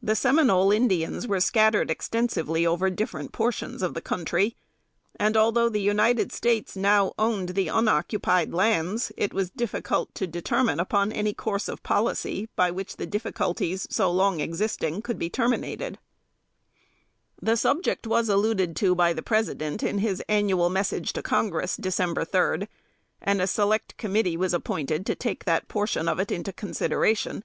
The Seminole Indians were scattered extensively over different portions of the country; and although the United States now owned the unoccupied lands, it was difficult to determine upon any course of policy by which the difficulties, so long existing, could be terminated. [Sidenote: 1822.] The subject was alluded to by the President in his Annual Message to Congress (Dec. 3), and a select committee was appointed to take that portion of it into consideration.